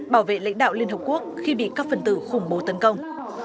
bảo vệ lãnh đạo liên hợp quốc khi bị các phần tử khủng bố tấn công